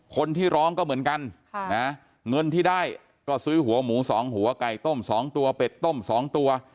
คนที่ร้องก็เหมือนกันเงินที่ได้ก็ซื้อหัวหมู๒หัวไก่ต้ม๒ตัวเป็ดต้ม๒ตัว